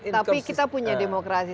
tapi kita punya demokrasi